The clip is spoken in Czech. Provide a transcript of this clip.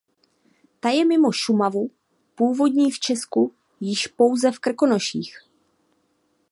Ta je mimo Šumavu původní v Česku již pouze v Krkonoších.